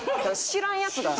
知らんやつて。